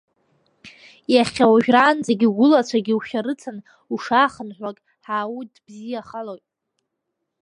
Иахьа уажәраанӡагьы угәылацәагьы ушәарыцан ушаахынҳәлак ҳааудбзиахалоит.